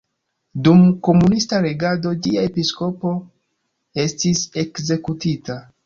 Dum komunista regado ĝia episkopo estis ekzekutita.